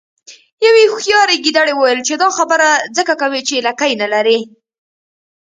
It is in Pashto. یوې هوښیارې ګیدړې وویل چې دا خبره ځکه کوې چې لکۍ نلرې.